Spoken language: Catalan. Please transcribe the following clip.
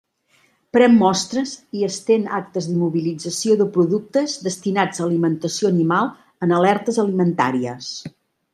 Pren mostres i estén actes d'immobilització de productes destinats a alimentació animal en alertes alimentàries.